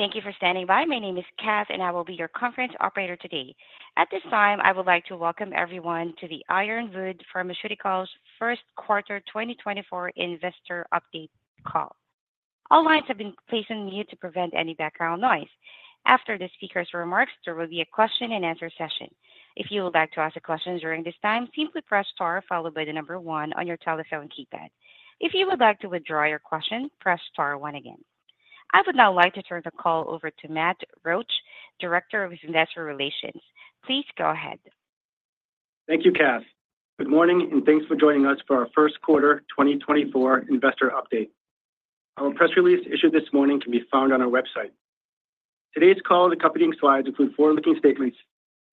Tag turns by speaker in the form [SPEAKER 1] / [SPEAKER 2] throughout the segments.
[SPEAKER 1] Thank you for standing by. My name is Cass, and I will be your conference operator today. At this time, I would like to welcome everyone to the Ironwood Pharmaceuticals first quarter 2024 investor update call. All lines have been placed on mute to prevent any background noise. After the speaker's remarks, there will be a question-and-answer session. If you would like to ask a question during this time, simply Press Star followed by the number one on your telephone keypad. If you would like to withdraw your question, Press Star one again. I would now like to turn the call over to Matt Roache, Director of Investor Relations. Please go ahead.
[SPEAKER 2] Thank you, Cass. Good morning, and thanks for joining us for our first quarter 2024 investor update. Our press release issued this morning can be found on our website. Today's call and accompanying slides include forward-looking statements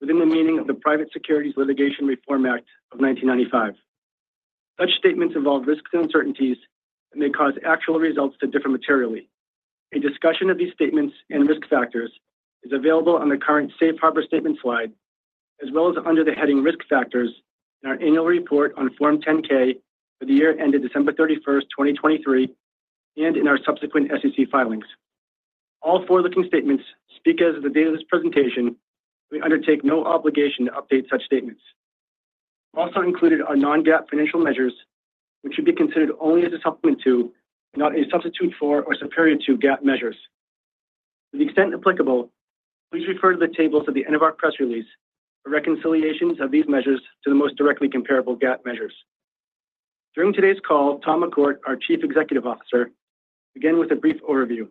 [SPEAKER 2] within the meaning of the Private Securities Litigation Reform Act of 1995. Such statements involve risks and uncertainties that may cause actual results to differ materially. A discussion of these statements and risk factors is available on the current Safe Harbor Statement slide, as well as under the heading Risk Factors in our annual report on Form 10-K for the year ended 31st December, 2023, and in our subsequent SEC filings. All forward-looking statements speak as of the date of this presentation, and we undertake no obligation to update such statements. Also included are non-GAAP financial measures, which should be considered only as a supplement to, not a substitute for, or superior to GAAP measures. To the extent applicable, please refer to the tables at the end of our press release for reconciliations of these measures to the most directly comparable GAAP measures. During today's call, Tom McCourt, our Chief Executive Officer, began with a brief overview.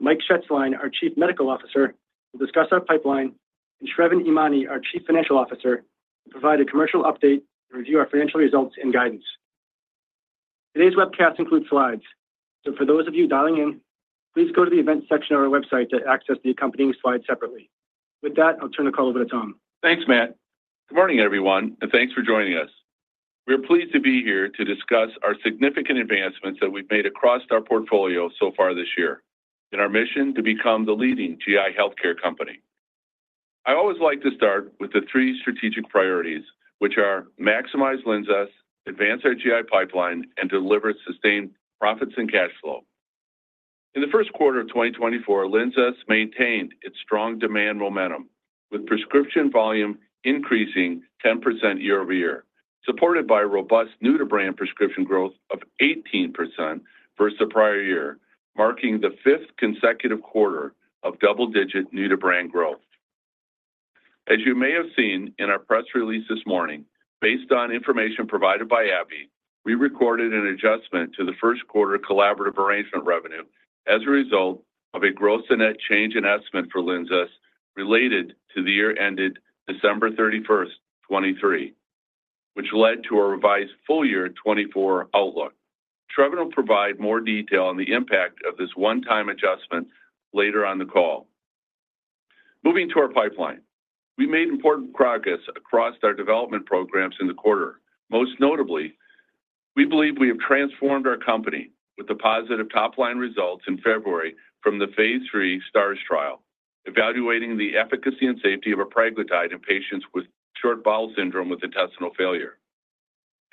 [SPEAKER 2] Mike Shetzline, our Chief Medical Officer, will discuss our pipeline, and Sravan Emany, our Chief Financial Officer, will provide a commercial update and review our financial results and guidance. Today's webcast includes slides, so for those of you dialing in, please go to the events section of our website to access the accompanying slides separately. With that, I'll turn the call over to Tom.
[SPEAKER 3] Thanks, Matt. Good morning, everyone, and thanks for joining us. We are pleased to be here to discuss our significant advancements that we've made across our portfolio so far this year in our mission to become the leading GI healthcare company. I always like to start with the three strategic priorities, which are maximize LINZESS, advance our GI pipeline, and deliver sustained profits and cash flow. In the first quarter of 2024, LINZESS maintained its strong demand momentum, with prescription volume increasing 10% year-over-year, supported by robust new-to-brand prescription growth of 18% versus the prior year, marking the fifth consecutive quarter of double-digit new-to-brand growth. As you may have seen in our press release this morning, based on information provided by AbbVie, we recorded an adjustment to the first quarter collaborative arrangement revenue as a result of a gross and net change in estimate for LINZESS related to the year ended 31st December, 2023, which led to our revised full year 2024 outlook. Sravan will provide more detail on the impact of this one-time adjustment later on the call. Moving to our pipeline, we made important progress across our development programs in the quarter. Most notably, we believe we have transformed our company with the positive top-line results in February from the phase III STARS trial, evaluating the efficacy and safety of apraglutide in patients with short bowel syndrome with intestinal failure.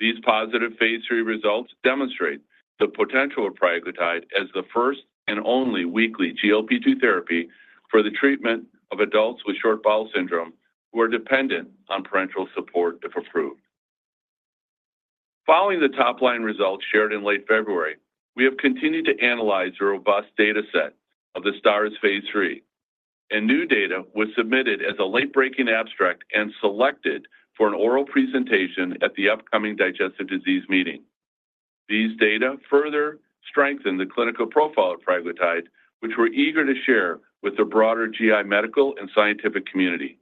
[SPEAKER 3] These positive phase III results demonstrate the potential of apraglutide as the first and only weekly GLP-2 therapy for the treatment of adults with short bowel syndrome who are dependent on parenteral support if approved. Following the top-line results shared in late February, we have continued to analyze the robust dataset of the STARS phase III, and new data was submitted as a late-breaking abstract and selected for an oral presentation at the upcoming Digestive Disease Week. These data further strengthened the clinical profile of apraglutide, which we're eager to share with the broader GI medical and scientific community.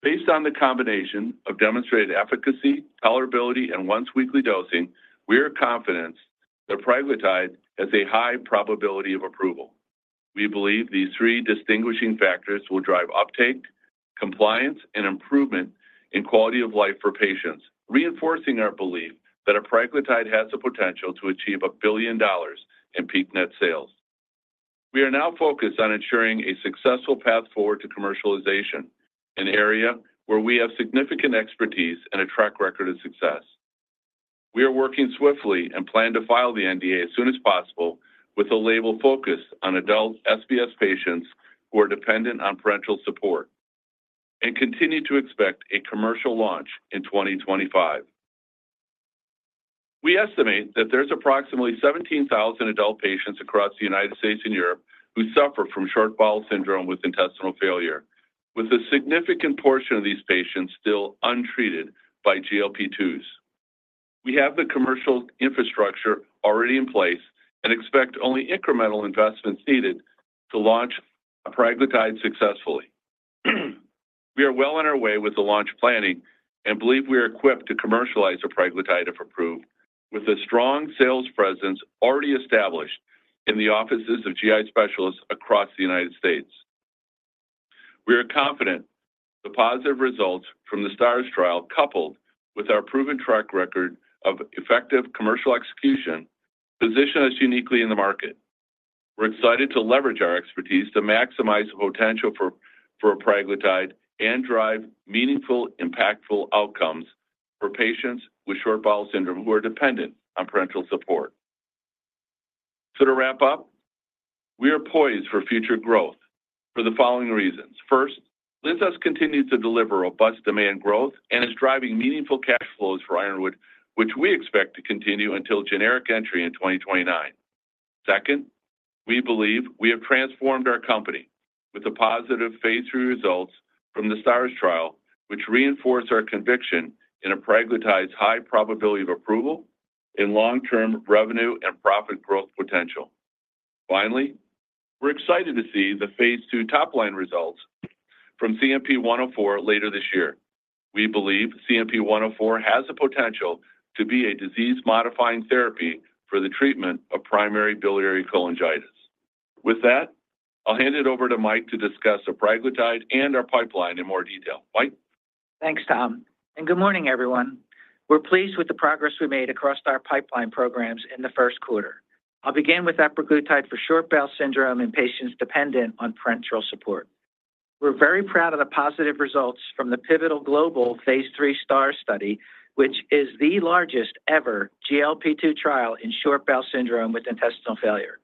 [SPEAKER 3] Based on the combination of demonstrated efficacy, tolerability, and once-weekly dosing, we are confident that apraglutide has a high probability of approval. We believe these three distinguishing factors will drive uptake, compliance, and improvement in quality of life for patients, reinforcing our belief that apraglutide has the potential to achieve $1 billion in peak net sales. We are now focused on ensuring a successful path forward to commercialization, an area where we have significant expertise and a track record of success. We are working swiftly and plan to file the NDA as soon as possible with a label focused on adult SBS patients who are dependent on parenteral support and continue to expect a commercial launch in 2025. We estimate that there's approximately 17,000 adult patients across the United States and Europe who suffer from short bowel syndrome with intestinal failure, with a significant portion of these patients still untreated by GLP-2s. We have the commercial infrastructure already in place and expect only incremental investments needed to launch apraglutide successfully. We are well on our way with the launch planning and believe we are equipped to commercialize apraglutide if approved, with a strong sales presence already established in the offices of GI specialists across the United States. We are confident the positive results from the STARS trial, coupled with our proven track record of effective commercial execution, position us uniquely in the market. We're excited to leverage our expertise to maximize the potential for apraglutide and drive meaningful, impactful outcomes for patients with short bowel syndrome who are dependent on parenteral support. To wrap up, we are poised for future growth for the following reasons. First, LINZESS continues to deliver robust demand growth and is driving meaningful cash flows for Ironwood, which we expect to continue until generic entry in 2029. Second, we believe we have transformed our company with the positive phase III results from the STARS trial, which reinforce our conviction in apraglutide's high probability of approval and long-term revenue and profit growth potential. Finally, we're excited to see the phase II top-line results from CNP-104 later this year. We believe CNP-104 has the potential to be a disease-modifying therapy for the treatment of primary biliary cholangitis. With that, I'll hand it over to Mike to discuss apraglutide and our pipeline in more detail. Mike?
[SPEAKER 4] Thanks, Tom, and good morning, everyone. We're pleased with the progress we made across our pipeline programs in the first quarter. I'll begin with apraglutide for short bowel syndrome in patients dependent on parenteral support. We're very proud of the positive results from the pivotal global Phase III STARS study, which is the largest-ever GLP-2 trial in short bowel syndrome with intestinal failure,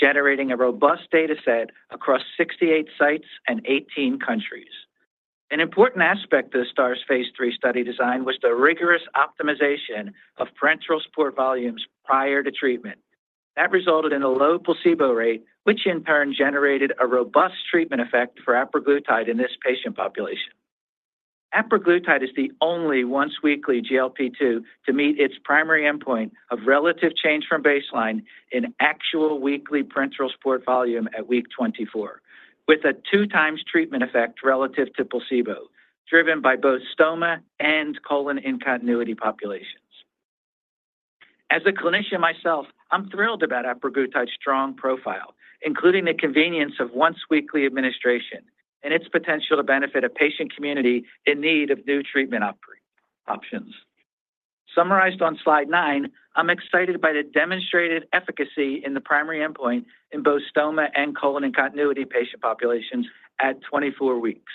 [SPEAKER 4] generating a robust dataset across 68 sites and 18 countries. An important aspect of the STARS Phase III study design was the rigorous optimization of parenteral support volumes prior to treatment. That resulted in a low placebo rate, which in turn generated a robust treatment effect for apraglutide in this patient population. Apraglutide is the only once-weekly GLP-2 to meet its primary endpoint of relative change from baseline in actual weekly parenteral support volume at week 24, with a x2 treatment effect relative to placebo, driven by both stoma and colon-in-continuity populations. As a clinician myself, I'm thrilled about apraglutide's strong profile, including the convenience of once-weekly administration and its potential to benefit a patient community in need of new treatment options. Summarized on slide nine, I'm excited by the demonstrated efficacy in the primary endpoint in both stoma and colon-in-continuity patient populations at 24 weeks.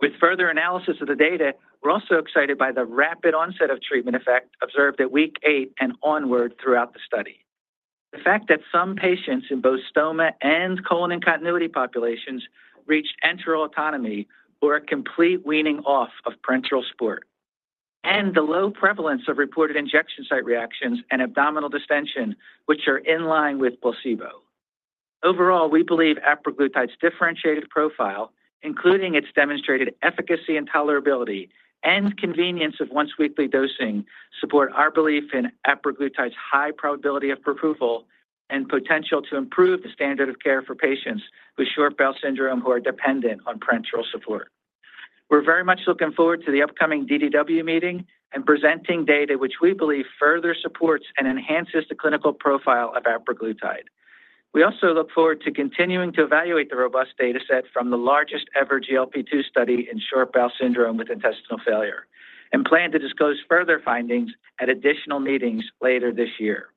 [SPEAKER 4] With further analysis of the data, we're also excited by the rapid onset of treatment effect observed at week eight and onward throughout the study, the fact that some patients in both stoma and colon-in-continuity populations reached enteral autonomy or a complete weaning off of parenteral support, and the low prevalence of reported injection site reactions and abdominal distention, which are in line with placebo. Overall, we believe apraglutide's differentiated profile, including its demonstrated efficacy and tolerability and convenience of once-weekly dosing, support our belief in apraglutide's high probability of approval and potential to improve the standard of care for patients with short bowel syndrome who are dependent on parenteral support. We're very much looking forward to the upcoming DDW meeting and presenting data which we believe further supports and enhances the clinical profile of apraglutide. We also look forward to continuing to evaluate the robust dataset from the largest-ever GLP-2 study in short bowel syndrome with intestinal failure and plan to disclose further findings at additional meetings later this year.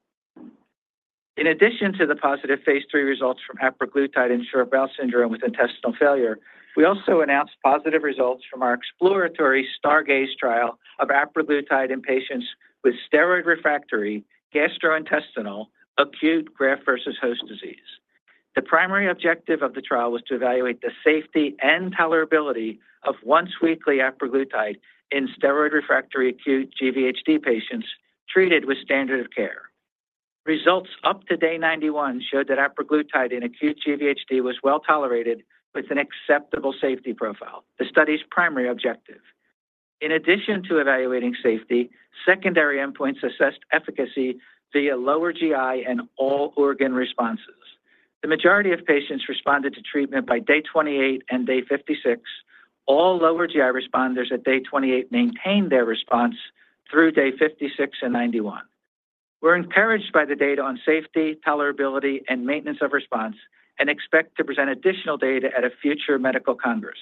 [SPEAKER 4] In addition to the positive phase III results from apraglutide in short bowel syndrome with intestinal failure, we also announced positive results from our exploratory STARGAZE trial of apraglutide in patients with steroid refractory gastrointestinal acute graft-versus-host disease. The primary objective of the trial was to evaluate the safety and tolerability of once-weekly apraglutide in steroid refractory acute GVHD patients treated with standard of care. Results up to day 91 showed that apraglutide in acute GVHD was well tolerated with an acceptable safety profile, the study's primary objective. In addition to evaluating safety, secondary endpoints assessed efficacy via lower GI and all organ responses. The majority of patients responded to treatment by day 28 and day 56. All lower GI responders at day 28 maintained their response through day 56 and 91. We're encouraged by the data on safety, tolerability, and maintenance of response and expect to present additional data at a future medical congress.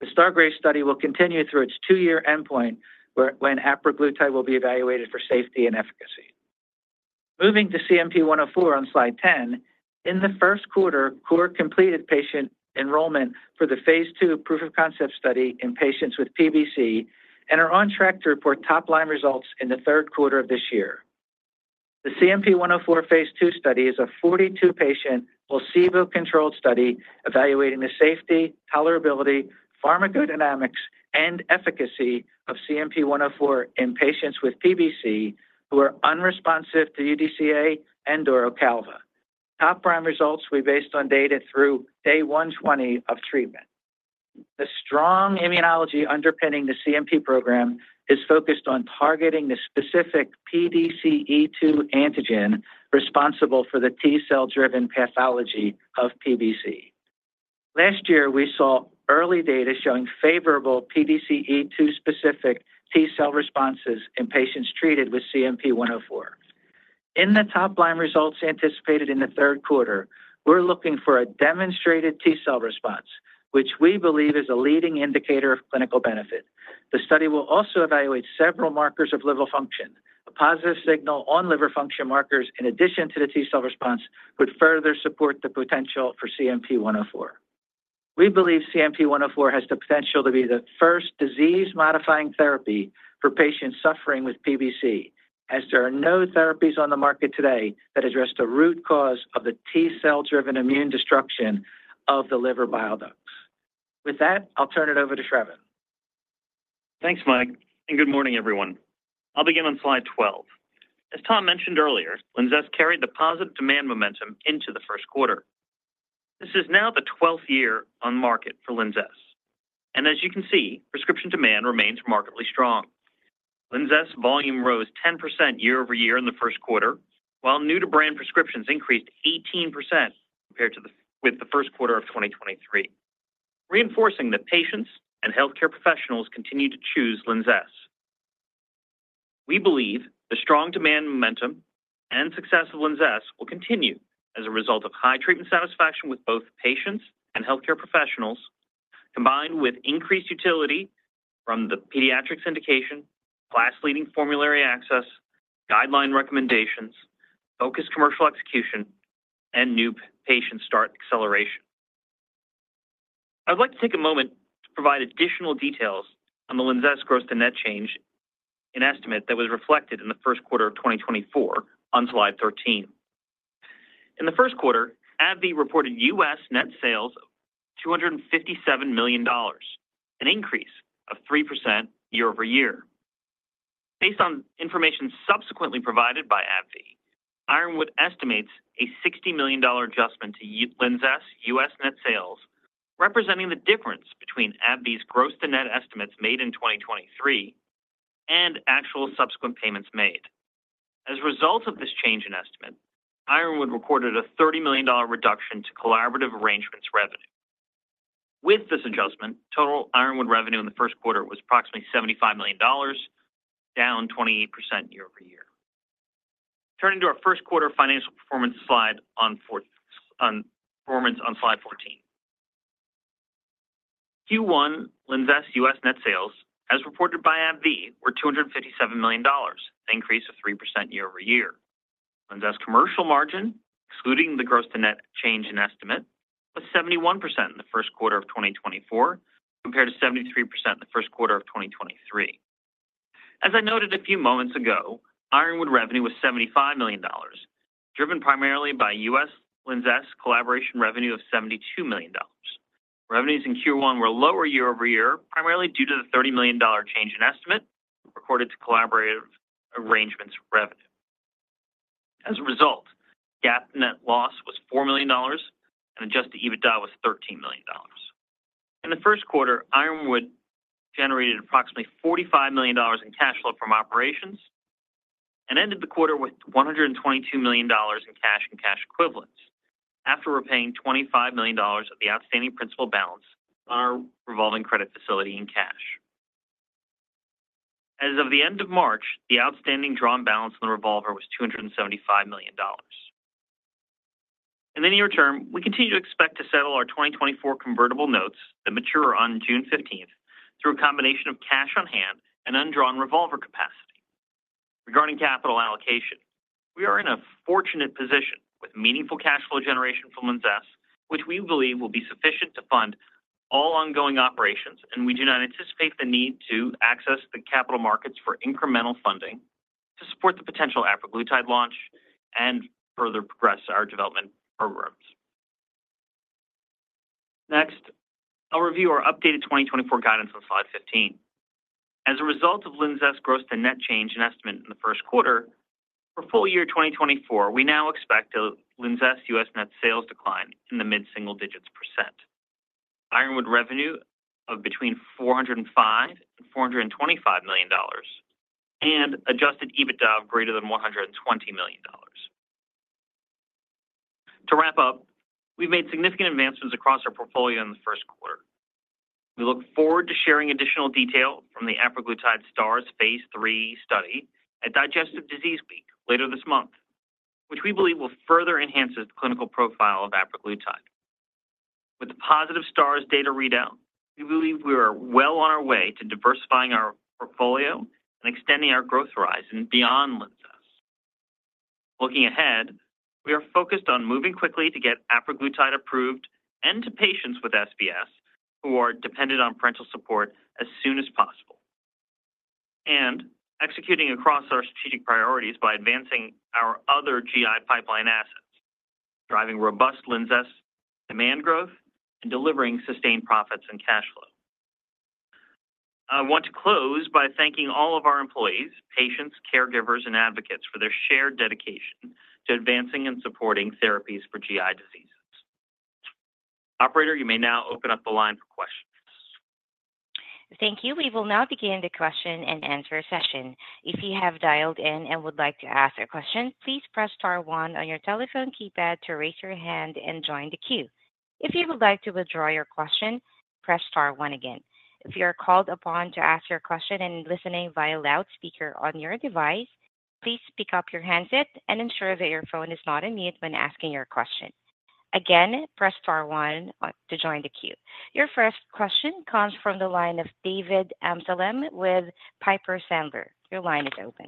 [SPEAKER 4] The STARGAZE study will continue through its two-year endpoint when apraglutide will be evaluated for safety and efficacy. Moving to CNP-104 on slide 10, in the first quarter, Cour completed patient enrollment for the phase II proof of concept study in patients with PBC and are on track to report top-line results in the third quarter of this year. The CNP-104 phase II study is a 42-patient placebo-controlled study evaluating the safety, tolerability, pharmacodynamics, and efficacy of CNP-104 in patients with PBC who are unresponsive to UDCA and or Ocaliva. Top-line results were based on data through day 120 of treatment. The strong immunology underpinning the CNP program is focused on targeting the specific PDC-E2 antigen responsible for the T-cell-driven pathology of PBC. Last year, we saw early data showing favorable PDC-E2-specific T-cell responses in patients treated with CNP-104. In the top-line results anticipated in the third quarter, we're looking for a demonstrated T-cell response, which we believe is a leading indicator of clinical benefit. The study will also evaluate several markers of liver function. A positive signal on liver function markers, in addition to the T-cell response, would further support the potential for CNP-104. We believe CNP-104 has the potential to be the first disease-modifying therapy for patients suffering with PBC, as there are no therapies on the market today that address the root cause of the T-cell-driven immune destruction of the liver bile ducts. With that, I'll turn it over to Sravan.
[SPEAKER 5] Thanks, Mike, and good morning, everyone. I'll begin on slide 12. As Tom mentioned earlier, LINZESS carried the positive demand momentum into the first quarter. This is now the 12th year on market for LINZESS, and as you can see, prescription demand remains markedly strong. LINZESS volume rose 10% year-over-year in the first quarter, while new-to-brand prescriptions increased 18% compared with the first quarter of 2023, reinforcing that patients and healthcare professionals continue to choose LINZESS. We believe the strong demand momentum and success of LINZESS will continue as a result of high treatment satisfaction with both patients and healthcare professionals, combined with increased utility from the pediatrics indication, class-leading formulary access, guideline recommendations, focused commercial execution, and new patient start acceleration. I would like to take a moment to provide additional details on the LINZESS growth to net change in estimate that was reflected in the first quarter of 2024 on slide 13. In the first quarter, AbbVie reported U.S. net sales of $257 million, an increase of 3% year-over-year. Based on information subsequently provided by AbbVie, Ironwood estimates a $60 million adjustment to LINZESS' U.S. net sales, representing the difference between AbbVie's growth to net estimates made in 2023 and actual subsequent payments made. As a result of this change in estimate, Ironwood recorded a $30 million reduction to collaborative arrangements revenue. With this adjustment, total Ironwood revenue in the first quarter was approximately $75 million, down 28% year-over-year. Turning to our first quarter financial performance slide on slide 14. Q1, LINZESS' U.S. Net sales, as reported by AbbVie, were $257 million, an increase of 3% year-over-year. LINZESS' commercial margin, excluding the growth to net change in estimate, was 71% in the first quarter of 2024 compared to 73% in the first quarter of 2023. As I noted a few moments ago, Ironwood revenue was $75 million, driven primarily by U.S. LINZESS collaboration revenue of $72 million. Revenues in Q1 were lower year-over-year, primarily due to the $30 million change in estimate recorded to collaborative arrangements revenue. As a result, GAAP net loss was $4 million, and adjusted EBITDA was $13 million. In the first quarter, Ironwood generated approximately $45 million in cash flow from operations and ended the quarter with $122 million in cash and cash equivalents after repaying $25 million of the outstanding principal balance on our revolving credit facility in cash. As of the end of March, the outstanding drawn balance on the revolver was $275 million. In the near term, we continue to expect to settle our 2024 convertible notes that mature on 15th June through a combination of cash on hand and undrawn revolver capacity. Regarding capital allocation, we are in a fortunate position with meaningful cash flow generation from LINZESS, which we believe will be sufficient to fund all ongoing operations, and we do not anticipate the need to access the capital markets for incremental funding to support the potential apraglutide launch and further progress our development programs. Next, I'll review our updated 2024 guidance on slide 15. As a result of LINZESS' growth to net change in estimate in the first quarter, for full year 2024, we now expect a LINZESS' U.S. net sales decline in the mid-single digits%, Ironwood revenue of between $405-$425 million, and adjusted EBITDA of greater $120 million. To wrap up, we've made significant advancements across our portfolio in the first quarter. We look forward to sharing additional detail from the apraglutide STARS phase III study at Digestive Disease Week later this month, which we believe will further enhance the clinical profile of apraglutide. With the positive STARS data readout, we believe we are well on our way to diversifying our portfolio and extending our growth horizon beyond LINZESS. Looking ahead, we are focused on moving quickly to get apraglutide approved and to patients with SBS who are dependent on parenteral support as soon as possible, and executing across our strategic priorities by advancing our other GI pipeline assets, driving robust LINZESS demand growth and delivering sustained profits and cash flow. I want to close by thanking all of our employees, patients, caregivers, and advocates for their shared dedication to advancing and supporting therapies for GI diseases. Operator, you may now open up the line for questions.
[SPEAKER 1] Thank you. We will now begin the question and answer session. If you have dialed in and would like to ask a question, please Press Star one on your telephone keypad to raise your hand and join the queue. If you would like to withdraw your question, Press Star one again. If you are called upon to ask your question and listening via loudspeaker on your device, please pick up your handset and ensure that your phone is not on mute when asking your question. Again, Press Star one to join the queue. Your first question comes from the line of David Amsalem with Piper Sandler. Your line is open.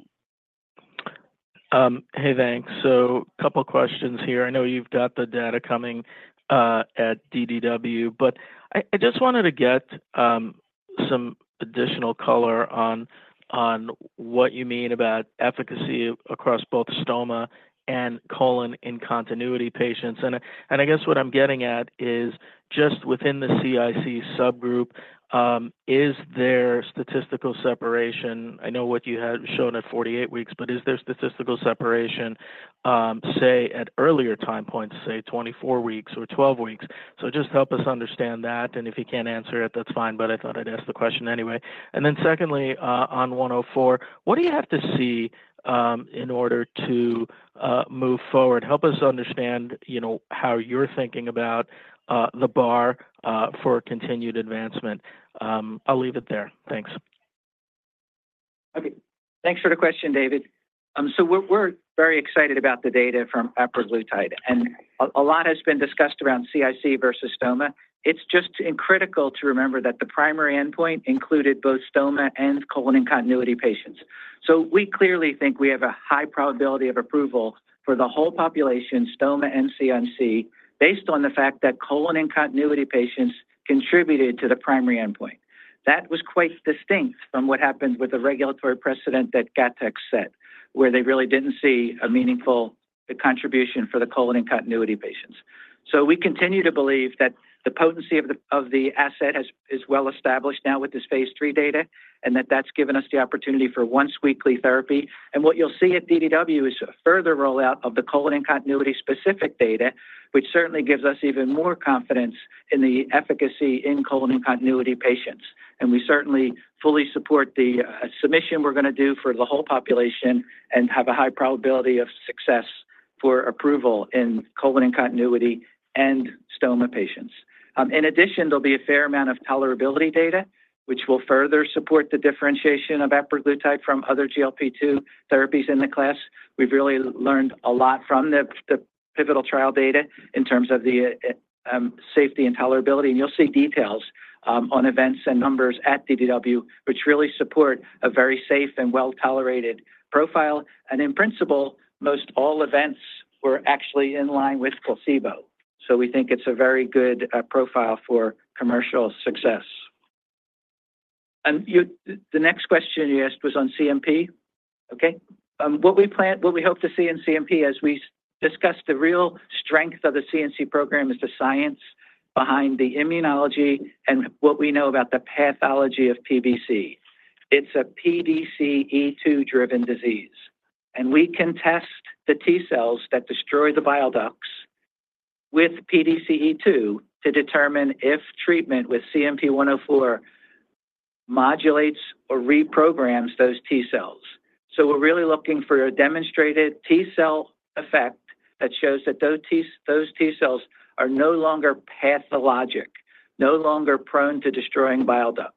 [SPEAKER 6] Hey, thanks. So a couple of questions here. I know you've got the data coming at DDW, but I just wanted to get some additional color on what you mean about efficacy across both stoma and colon-in-continuity patients. And I guess what I'm getting at is, just within the CIC subgroup, is there statistical separation? I know what you had shown at 48 weeks, but is there statistical separation, say, at earlier time points, say, 24 weeks or 12 weeks? So just help us understand that. And if you can't answer it, that's fine, but I thought I'd ask the question anyway. And then secondly, on 104, what do you have to see in order to move forward? Help us understand how you're thinking about the bar for continued advancement. I'll leave it there. Thanks.
[SPEAKER 4] Okay. Thanks for the question, David. So we're very excited about the data from apraglutide, and a lot has been discussed around CIC versus stoma. It's just critical to remember that the primary endpoint included both stoma and colon-in-continuity patients. So we clearly think we have a high probability of approval for the whole population, stoma and CIC, based on the fact that colon-in-continuity patients contributed to the primary endpoint. That was quite distinct from what happened with the regulatory precedent that Gattex set, where they really didn't see a meaningful contribution for the colon-in-continuity patients. So we continue to believe that the potency of the asset is well established now with this phase III data and that that's given us the opportunity for once-weekly therapy. What you'll see at DDW is a further rollout of the colon-in-continuity-specific data, which certainly gives us even more confidence in the efficacy in colon-in-continuity patients. We certainly fully support the submission we're going to do for the whole population and have a high probability of success for approval in colon-in-continuity and stoma patients. In addition, there'll be a fair amount of tolerability data, which will further support the differentiation of apraglutide from other GLP-2 therapies in the class. We've really learned a lot from the pivotal trial data in terms of the safety and tolerability. You'll see details on events and numbers at DDW, which really support a very safe and well-tolerated profile. In principle, most all events were actually in line with placebo. So we think it's a very good profile for commercial success. The next question you asked was on CNP. Okay. What we hope to see in CNP, as we discussed, the real strength of the CNP program is the science behind the immunology and what we know about the pathology of PBC. It's a PDC-E2-driven disease. And we can test the T cells that destroy the bile ducts with PDC-E2 to determine if treatment with CNP-104 modulates or reprograms those T cells. So we're really looking for a demonstrated T cell effect that shows that those T cells are no longer pathologic, no longer prone to destroying bile ducts.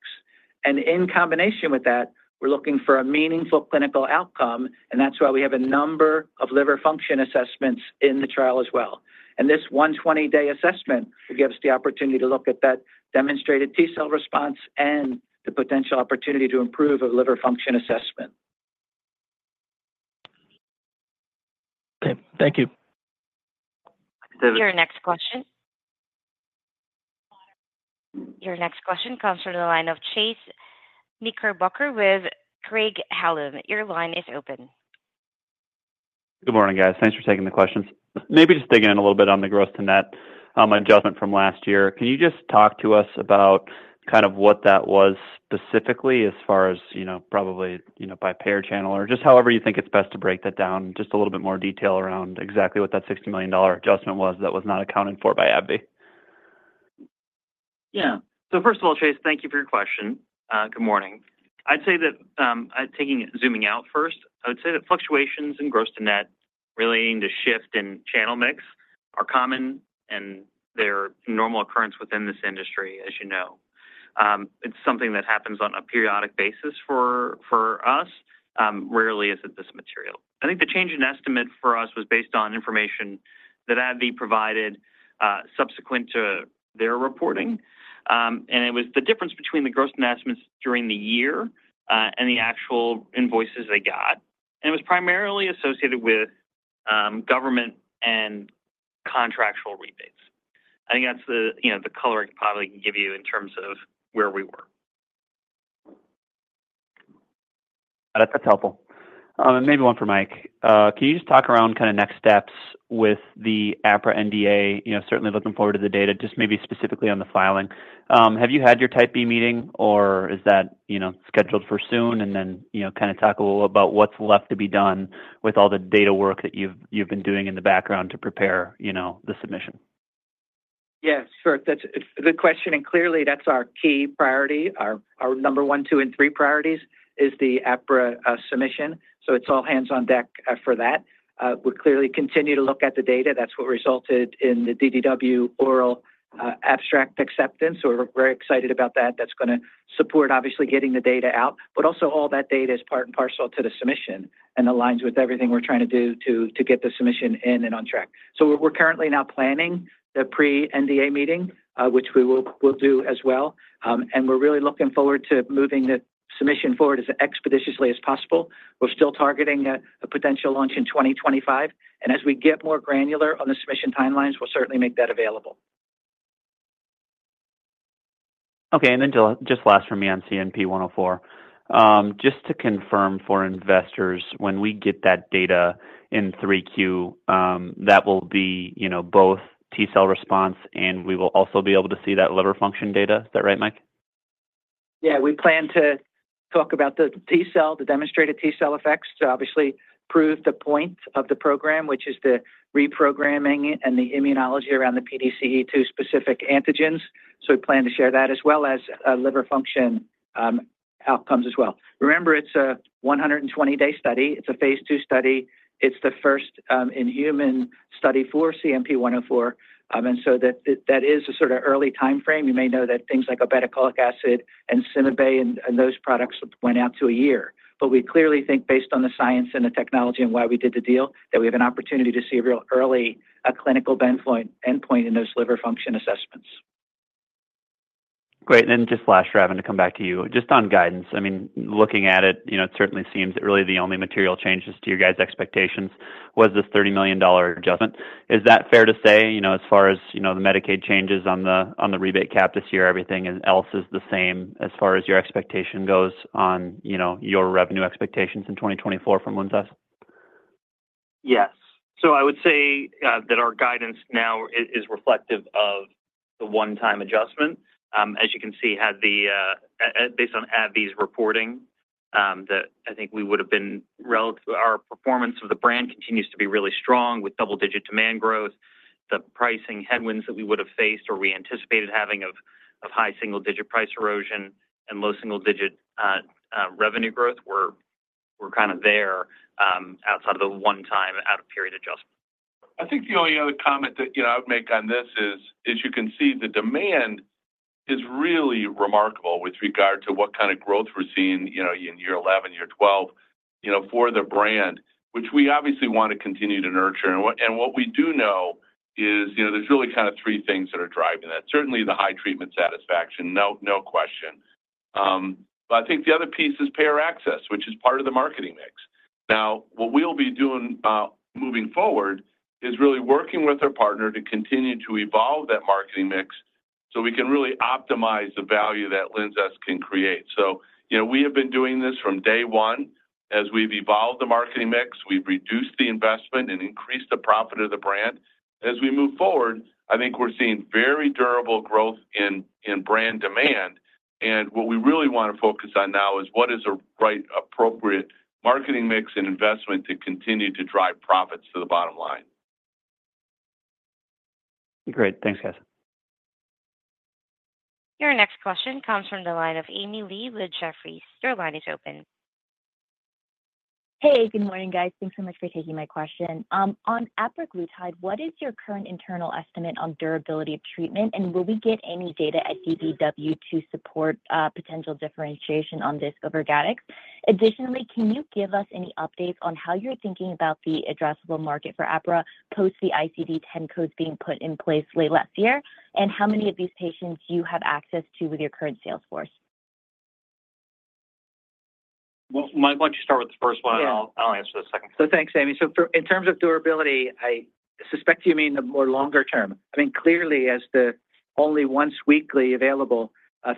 [SPEAKER 4] And in combination with that, we're looking for a meaningful clinical outcome, and that's why we have a number of liver function assessments in the trial as well. This 120-day assessment will give us the opportunity to look at that demonstrated T-cell response and the potential opportunity to improve a liver function assessment.
[SPEAKER 6] Okay. Thank you.
[SPEAKER 1] Your next question. Your next question comes from the line of Chase Knickerbocker with Craig-Hallum. Your line is open.
[SPEAKER 7] Good morning, guys. Thanks for taking the questions. Maybe just digging in a little bit on the growth to net adjustment from last year. Can you just talk to us about kind of what that was specifically as far as probably by payer channel or just however you think it's best to break that down, just a little bit more detail around exactly what that $60 million adjustment was that was not accounted for by AbbVie?
[SPEAKER 5] Yeah. So first of all, Chase, thank you for your question. Good morning. I'd say that taking zooming out first, I would say that fluctuations in growth to net relating to shift and channel mix are common, and they're a normal occurrence within this industry, as you know. It's something that happens on a periodic basis for us. Rarely is it this material. I think the change in estimate for us was based on information that AbbVie provided subsequent to their reporting. And it was the difference between the growth investments during the year and the actual invoices they got. And it was primarily associated with government and contractual rebates. I think that's the color I can probably give you in terms of where we were.
[SPEAKER 7] That's helpful. And maybe one for Mike. Can you just talk around kind of next steps with the apraglutide NDA? Certainly looking forward to the data, just maybe specifically on the filing. Have you had your Type B meeting, or is that scheduled for soon? And then kind of talk a little about what's left to be done with all the data work that you've been doing in the background to prepare the submission.
[SPEAKER 4] Yes, sure. That's a good question. Clearly, that's our key priority, our number one, two, and three priorities, is the NDA submission. So it's all hands on deck for that. We'll clearly continue to look at the data. That's what resulted in the DDW oral abstract acceptance. So we're very excited about that. That's going to support, obviously, getting the data out. But also, all that data is part and parcel to the submission and aligns with everything we're trying to do to get the submission in and on track. So we're currently now planning the pre-NDA meeting, which we will do as well. And we're really looking forward to moving the submission forward as expeditiously as possible. We're still targeting a potential launch in 2025. And as we get more granular on the submission timelines, we'll certainly make that available.
[SPEAKER 7] Okay. And then just last from me on CNP-104. Just to confirm for investors, when we get that data in 3Q, that will be both T cell response, and we will also be able to see that liver function data. Is that right, Mike?
[SPEAKER 4] Yeah. We plan to talk about the T-cell, the demonstrated T-cell effects, to obviously prove the point of the program, which is the reprogramming and the immunology around the PDC-E2-specific antigens. So we plan to share that as well as liver function outcomes as well. Remember, it's a 120-day study. It's a phase II study. It's the first-in-human study for CNP-104. And so that is a sort of early timeframe. You may know that things like obeticholic acid and CymaBay and those products went out to a year. But we clearly think, based on the science and the technology and why we did the deal, that we have an opportunity to see a real early clinical endpoint in those liver function assessments.
[SPEAKER 7] Great. And then just last, Sravan, to come back to you, just on guidance. I mean, looking at it, it certainly seems that really the only material changes to your guys' expectations was this $30 million adjustment. Is that fair to say as far as the Medicaid changes on the rebate cap this year, everything else is the same as far as your expectation goes on your revenue expectations in 2024 from LINZESS?
[SPEAKER 5] Yes. So I would say that our guidance now is reflective of the one-time adjustment. As you can see, based on AbbVie's reporting, I think we would have been our performance of the brand continues to be really strong with double-digit demand growth. The pricing headwinds that we would have faced or we anticipated having of high single-digit price erosion and low single-digit revenue growth were kind of there outside of the one-time, out-of-period adjustment.
[SPEAKER 3] I think the only other comment that I would make on this is, as you can see, the demand is really remarkable with regard to what kind of growth we're seeing in year 11, year 12 for the brand, which we obviously want to continue to nurture. And what we do know is there's really kind of three things that are driving that. Certainly, the high treatment satisfaction, no question. But I think the other piece is payer access, which is part of the marketing mix. Now, what we'll be doing moving forward is really working with our partner to continue to evolve that marketing mix so we can really optimize the value that LINZESS can create. So we have been doing this from day one. As we've evolved the marketing mix, we've reduced the investment and increased the profit of the brand. As we move forward, I think we're seeing very durable growth in brand demand. What we really want to focus on now is what is the right, appropriate marketing mix and investment to continue to drive profits to the bottom line.
[SPEAKER 7] Great. Thanks, guys.
[SPEAKER 1] Your next question comes from the line of Amy Li with Jefferies. Your line is open.
[SPEAKER 8] Hey. Good morning, guys. Thanks so much for taking my question. On apraglutide, what is your current internal estimate on durability of treatment? And will we get any data at DDW to support potential differentiation on this over Gattex? Additionally, can you give us any updates on how you're thinking about the addressable market for apraglutide post the ICD-10 codes being put in place late last year? And how many of these patients do you have access to with your current salesforce?
[SPEAKER 3] Well, Mike, why don't you start with the first one, and I'll answer the second.
[SPEAKER 4] So thanks, Amy. So in terms of durability, I suspect you mean the more longer term. I mean, clearly, as the only once-weekly available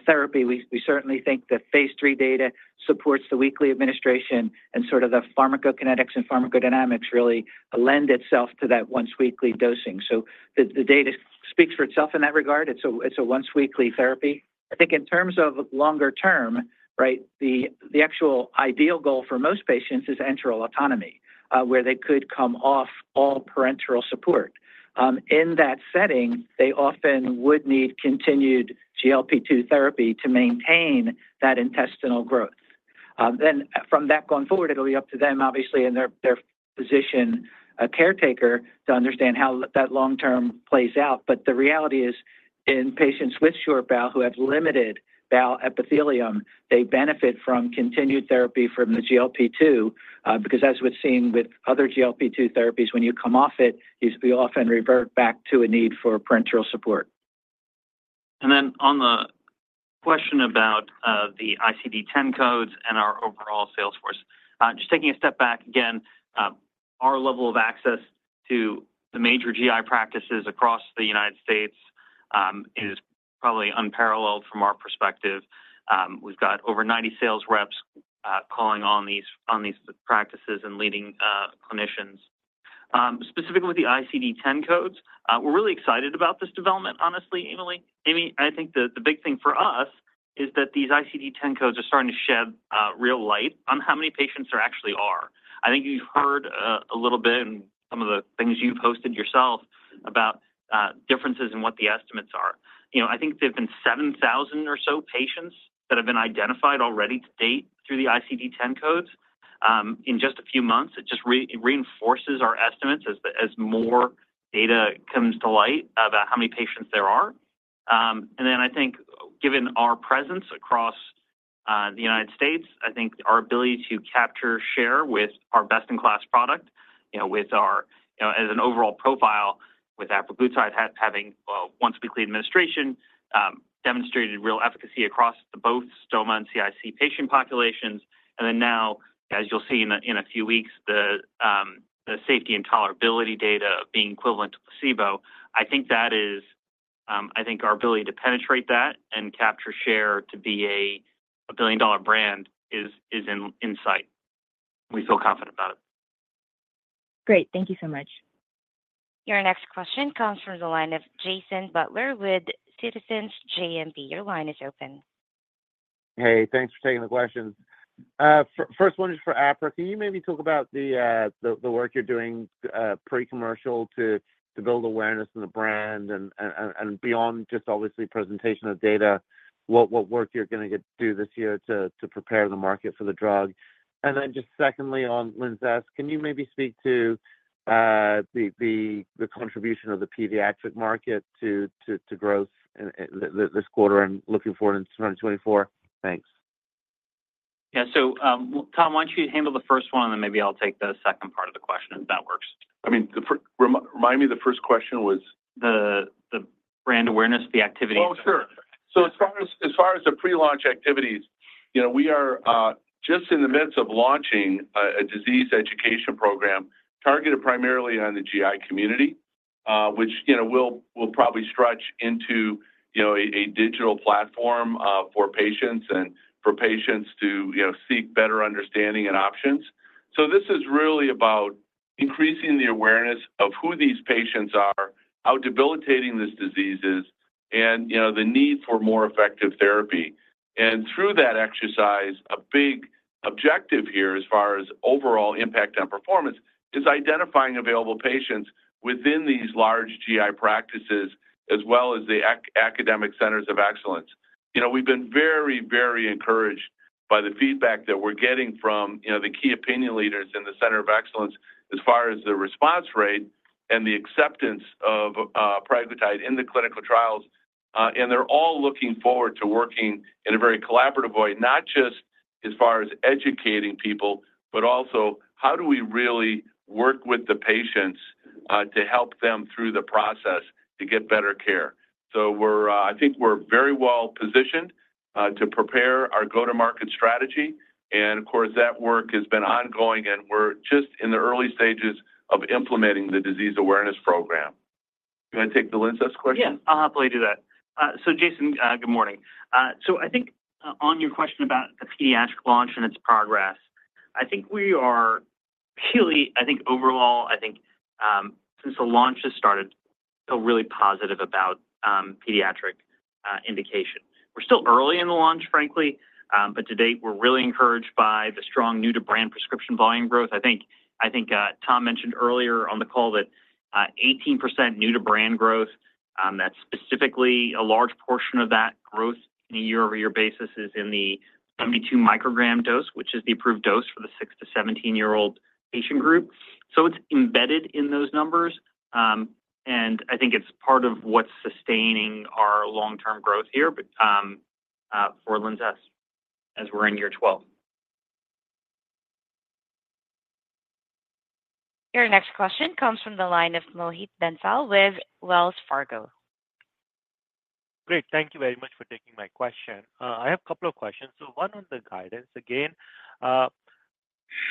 [SPEAKER 4] therapy, we certainly think the phase III data supports the weekly administration and sort of the pharmacokinetics and pharmacodynamics really lend itself to that once-weekly dosing. So the data speaks for itself in that regard. It's a once-weekly therapy. I think in terms of longer term, right, the actual ideal goal for most patients is enteral autonomy, where they could come off all parenteral support. In that setting, they often would need continued GLP-2 therapy to maintain that intestinal growth. Then from that going forward, it'll be up to them, obviously, and their physician caretaker to understand how that long-term plays out. But the reality is, in patients with short bowel who have limited bowel epithelium, they benefit from continued therapy from the GLP-2 because, as we've seen with other GLP-2 therapies, when you come off it, you often revert back to a need for parenteral support.
[SPEAKER 5] On the question about the ICD-10 codes and our overall sales force, just taking a step back again, our level of access to the major GI practices across the United States is probably unparalleled from our perspective. We've got over 90 sales reps calling on these practices and leading clinicians. Specifically with the ICD-10 codes, we're really excited about this development, honestly, Amy. I think the big thing for us is that these ICD-10 codes are starting to shed real light on how many patients there actually are. I think you've heard a little bit in some of the things you've posted yourself about differences in what the estimates are. I think there have been 7,000 or so patients that have been identified already to date through the ICD-10 codes. In just a few months, it just reinforces our estimates as more data comes to light about how many patients there are. Then I think, given our presence across the United States, I think our ability to capture share with our best-in-class product, with ours as an overall profile, with apraglutide having a once-weekly administration, demonstrated real efficacy across both stoma and colon-in-continuity patient populations. Then now, as you'll see in a few weeks, the safety and tolerability data being equivalent to placebo, I think that is I think our ability to penetrate that and capture share to be a billion-dollar brand is in sight. We feel confident about it.
[SPEAKER 8] Great. Thank you so much.
[SPEAKER 1] Your next question comes from the line of Jason Butler with Citizens JMP. Your line is open.
[SPEAKER 9] Hey. Thanks for taking the questions. First one is for apraglutide. Can you maybe talk about the work you're doing pre-commercial to build awareness in the brand and beyond just, obviously, presentation of data, what work you're going to do this year to prepare the market for the drug? And then just secondly, on LINZESS, can you maybe speak to the contribution of the pediatric market to growth this quarter and looking forward in 2024? Thanks.
[SPEAKER 5] Yeah. So Tom, why don't you handle the first one, and then maybe I'll take the second part of the question if that works?
[SPEAKER 3] I mean, remind me, the first question was.
[SPEAKER 5] The brand awareness, the activities. Oh, sure. So as far as the pre-launch activities, we are just in the midst of launching a disease education program targeted primarily on the GI community, which will probably stretch into a digital platform for patients and for patients to seek better understanding and options. So this is really about increasing the awareness of who these patients are, how debilitating this disease is, and the need for more effective therapy. And through that exercise, a big objective here as far as overall impact on performance is identifying available patients within these large GI practices as well as the academic centers of excellence. We've been very, very encouraged by the feedback that we're getting from the key opinion leaders in the center of excellence as far as the response rate and the acceptance of apraglutide in the clinical trials. And they're all looking forward to working in a very collaborative way, not just as far as educating people, but also, how do we really work with the patients to help them through the process to get better care? So I think we're very well positioned to prepare our go-to-market strategy. And of course, that work has been ongoing, and we're just in the early stages of implementing the disease awareness program. Do you want to take the LINZESS question? Yes. I'll happily do that. So Jason, good morning. So I think on your question about the pediatric launch and its progress, I think we are really, I think overall, I think since the launch has started, feel really positive about pediatric indication. We're still early in the launch, frankly. But to date, we're really encouraged by the strong new-to-brand prescription volume growth. I think Tom mentioned earlier on the call that 18% new-to-brand growth, that specifically a large portion of that growth on a year-over-year basis is in the 72-microgram dose, which is the approved dose for the 6-17year-old patient group. So it's embedded in those numbers. And I think it's part of what's sustaining our long-term growth here for LINZESS as we're in year 12.
[SPEAKER 1] Your next question comes from the line of Mohit Bansal with Wells Fargo.
[SPEAKER 10] Great. Thank you very much for taking my question. I have a couple of questions. So one on the guidance, again.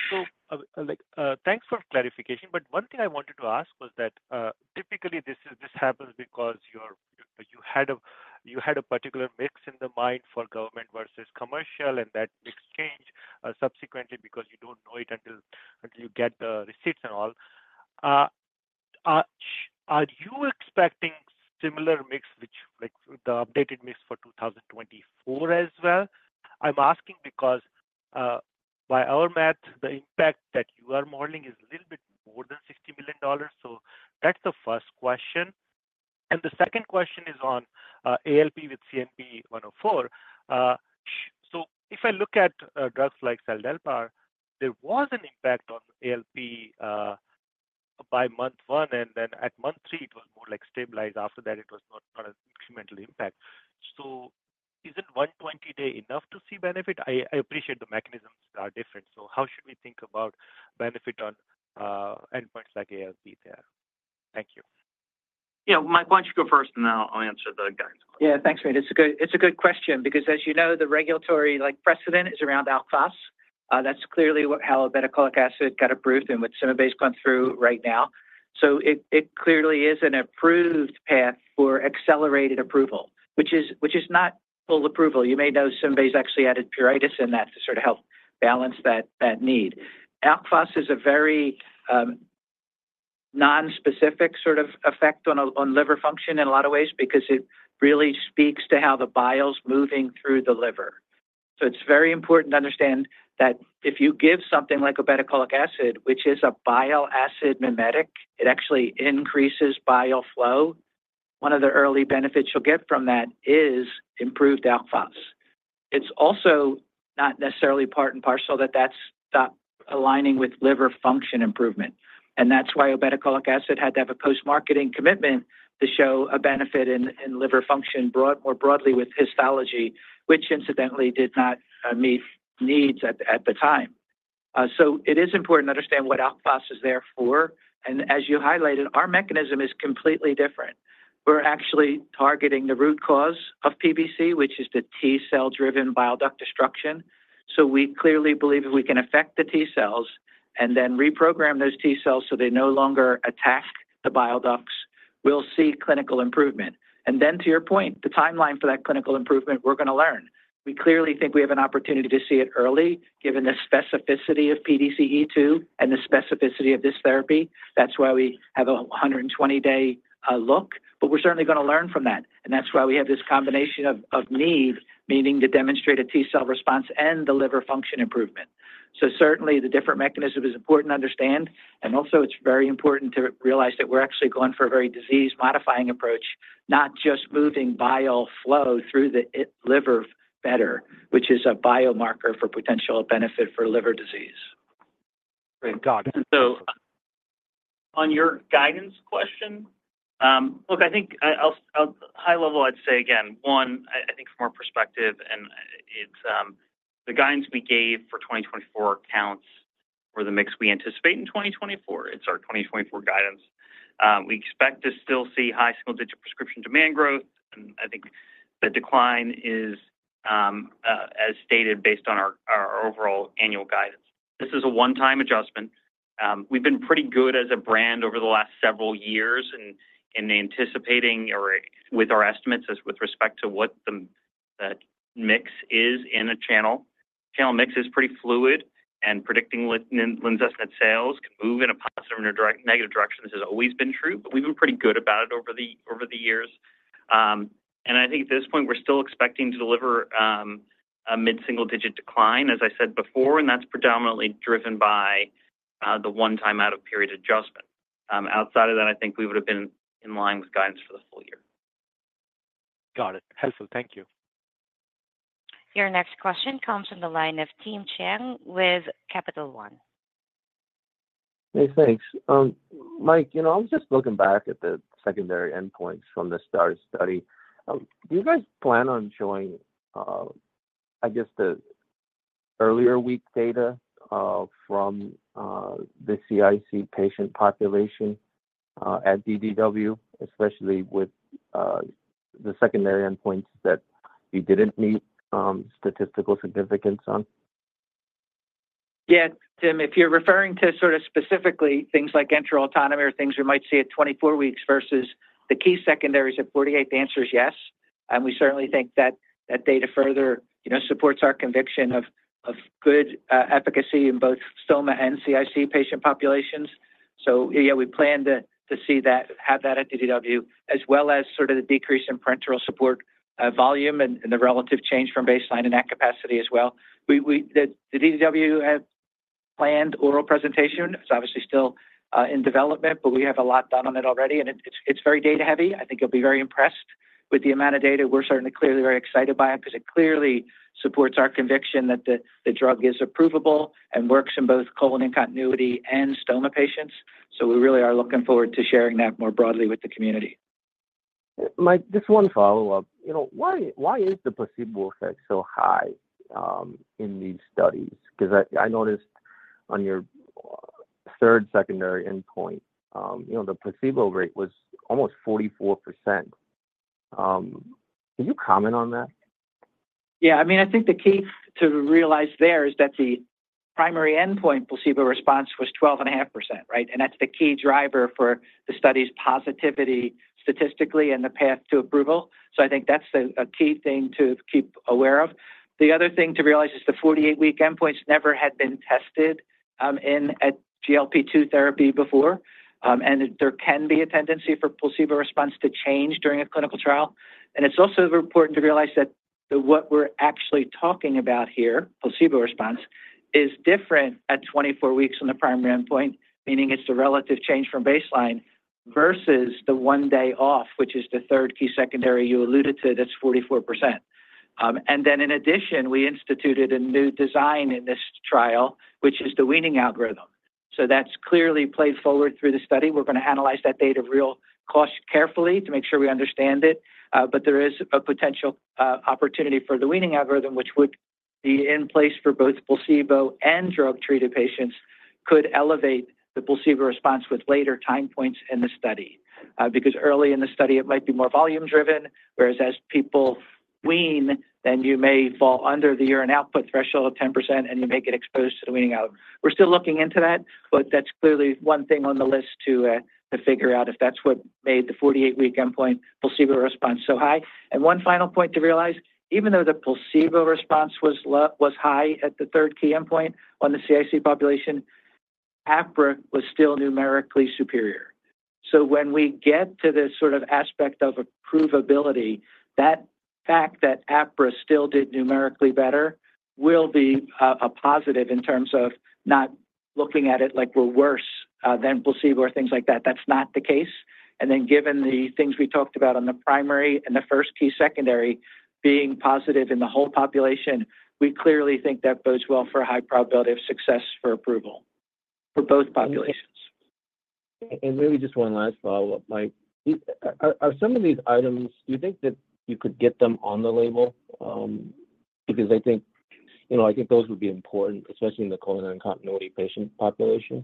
[SPEAKER 10] So thanks for clarification. But one thing I wanted to ask was that typically, this happens because you had a particular mix in the mind for government versus commercial, and that mix changed subsequently because you don't know it until you get the receipts and all. Are you expecting similar mix, the updated mix for 2024 as well? I'm asking because by our math, the impact that you are modeling is a little bit more than $60 million. So that's the first question. And the second question is on ALP with CNP-104. So if I look at drugs like seladelpar, there was an impact on ALP by month one, and then at month three, it was more stabilized. After that, it was not an incremental impact. So isn't 120 day enough to see benefit? I appreciate the mechanisms that are different. So how should we think about benefit on endpoints like ALP there? Thank you.
[SPEAKER 5] Yeah. Mike, why don't you go first, and then I'll answer the guidance question.
[SPEAKER 4] Yeah. Thanks, Reid. It's a good question because, as you know, the regulatory precedent is around alkaline phosphatase. That's clearly how obeticholic acid got approved and what CymaBay's gone through right now. So it clearly is an approved path for accelerated approval, which is not full approval. You may know CymaBay's actually added pruritus in that to sort of help balance that need. Alkaline phosphatase is a very nonspecific sort of effect on liver function in a lot of ways because it really speaks to how the bile's moving through the liver. So it's very important to understand that if you give something like obeticholic acid, which is a bile acid mimetic, it actually increases bile flow. One of the early benefits you'll get from that is improved alkaline phosphatase. It's also not necessarily part and parcel that that's aligning with liver function improvement. That's why obeticholic acid had to have a post-marketing commitment to show a benefit in liver function more broadly with histology, which incidentally did not meet needs at the time. So it is important to understand what alkaline phosphatase is there for. And as you highlighted, our mechanism is completely different. We're actually targeting the root cause of PBC, which is the T-cell-driven bile duct destruction. So we clearly believe if we can affect the T cells and then reprogram those T cells so they no longer attack the bile ducts, we'll see clinical improvement. And then to your point, the timeline for that clinical improvement, we're going to learn. We clearly think we have an opportunity to see it early given the specificity of PDC-E2 and the specificity of this therapy. That's why we have a 120-day look. But we're certainly going to learn from that. And that's why we have this combination of need, meaning to demonstrate a T-cell response and the liver function improvement. So certainly, the different mechanism is important to understand. And also, it's very important to realize that we're actually going for a very disease-modifying approach, not just moving bile flow through the liver better, which is a biomarker for potential benefit for liver disease.
[SPEAKER 5] Great. Doug. So on your guidance question, look, I think high level, I'd say again, one, I think from our perspective, and the guidance we gave for 2024 counts for the mix we anticipate in 2024. It's our 2024 guidance. We expect to still see high single-digit prescription demand growth. And I think the decline is as stated based on our overall annual guidance. This is a one-time adjustment. We've been pretty good as a brand over the last several years in anticipating or with our estimates with respect to what the mix is in a channel. Channel mix is pretty fluid. And predicting LINZESS net sales can move in a positive or negative direction, this has always been true. But we've been pretty good about it over the years. And I think at this point, we're still expecting to deliver a mid-single-digit decline, as I said before. That's predominantly driven by the one-time out-of-period adjustment. Outside of that, I think we would have been in line with guidance for the full year. Got it. Helpful. Thank you.
[SPEAKER 1] Your next question comes from the line of Tim Chiang with Capital One.
[SPEAKER 11] Hey. Thanks. Mike, I was just looking back at the secondary endpoints from the STARS study. Do you guys plan on showing, I guess, the earlier week data from the CIC patient population at DDW, especially with the secondary endpoints that you didn't meet statistical significance on?
[SPEAKER 4] Yeah. Tim, if you're referring to sort of specifically things like enteral autonomy or things we might see at 24 weeks versus the key secondaries at 48, the answer is yes. We certainly think that data further supports our conviction of good efficacy in both stoma and CIC patient populations. Yeah, we plan to see that, have that at DDW, as well as sort of the decrease in parenteral support volume and the relative change from baseline and at capacity as well. The DDW planned oral presentation is obviously still in development, but we have a lot done on it already. It's very data-heavy. I think you'll be very impressed with the amount of data. We're certainly clearly very excited by it because it clearly supports our conviction that the drug is approvable and works in both colon-in-continuity and stoma patients. We really are looking forward to sharing that more broadly with the community.
[SPEAKER 11] Mike, just one follow-up. Why is the placebo effect so high in these studies? Because I noticed on your third secondary endpoint, the placebo rate was almost 44%. Can you comment on that?
[SPEAKER 4] Yeah. I mean, I think the key to realize there is that the primary endpoint placebo response was 12.5%, right? And that's the key driver for the study's positivity statistically and the path to approval. So I think that's a key thing to keep aware of. The other thing to realize is the 48 week endpoints never had been tested in GLP-2 therapy before. And there can be a tendency for placebo response to change during a clinical trial. And it's also important to realize that what we're actually talking about here, placebo response, is different at 24 weeks from the primary endpoint, meaning it's a relative change from baseline versus the one day off, which is the third key secondary you alluded to that's 44%. And then in addition, we instituted a new design in this trial, which is the weaning algorithm. So that's clearly played forward through the study. We're going to analyze that data real carefully to make sure we understand it. But there is a potential opportunity for the weaning algorithm, which would be in place for both placebo and drug-treated patients, could elevate the placebo response with later time points in the study. Because early in the study, it might be more volume-driven, whereas as people wean, then you may fall under the urine output threshold of 10%, and you may get exposed to the weaning algorithm. We're still looking into that, but that's clearly one thing on the list to figure out if that's what made the 48 week endpoint placebo response so high. And one final point to realize, even though the placebo response was high at the third key endpoint on the CIC population, APRA was still numerically superior. So when we get to this sort of aspect of approvability, the fact that apraglutide still did numerically better will be a positive in terms of not looking at it like we're worse than placebo or things like that. That's not the case. And then given the things we talked about on the primary and the first key secondary being positive in the whole population, we clearly think that bodes well for a high probability of success for approval for both populations.
[SPEAKER 11] Maybe just one last follow-up, Mike. Are some of these items, do you think that you could get them on the label? Because I think those would be important, especially in the colon-in-continuity patient population.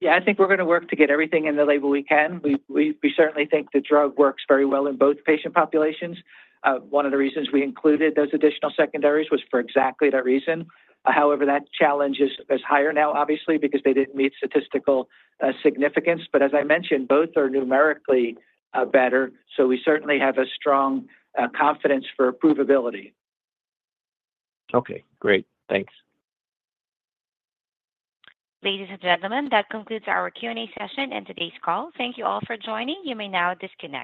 [SPEAKER 4] Yeah. I think we're going to work to get everything in the label we can. We certainly think the drug works very well in both patient populations. One of the reasons we included those additional secondaries was for exactly that reason. However, that challenge is higher now, obviously, because they didn't meet statistical significance. But as I mentioned, both are numerically better. So we certainly have a strong confidence for approvability.
[SPEAKER 11] Okay. Great. Thanks.
[SPEAKER 1] Ladies and gentlemen, that concludes our Q&A session and today's call. Thank you all for joining. You may now disconnect.